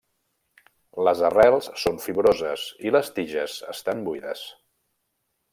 Les arrels són fibroses i les tiges estan buides.